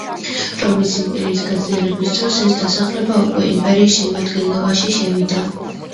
რომის იმპერიის გაძლიერების დროს, ეს დასახლება უკვე იმპერიის შემადგენლობაში შევიდა.